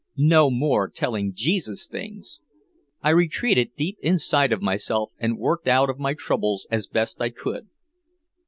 No more telling Jesus things! I retreated deep inside of myself and worked out of my troubles as best I could.